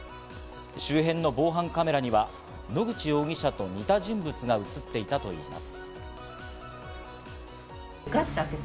周辺の防犯カメラには野口容疑者と似た人物が映っていたといいます。